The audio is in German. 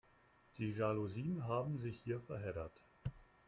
Die Jalousien haben sich hier verheddert.